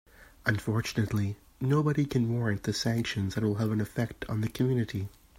Unfortunately, nobody can warrant the sanctions that will have an effect on the community.